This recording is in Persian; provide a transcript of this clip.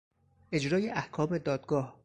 اجرای احکام دادگاه